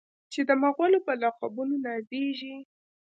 چې د مغلو په لقبونو نازیږي.